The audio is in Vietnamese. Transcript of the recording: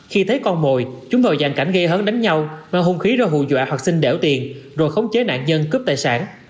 khi thấy con mồi chúng vào dạng cảnh gây hấn đánh nhau mang hung khí ra hù dọa hoặc xin đẻo tiền rồi khống chế nạn nhân cướp tài sản